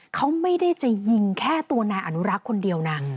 เขาไม่ได้จะยิงแค่ตัวนายอนุรักษ์คนเดียวนะ